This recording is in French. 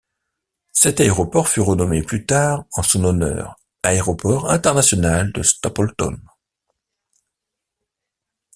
Cet aéroport fut renommé plus tard en son honneur Aéroport International de Stapleton.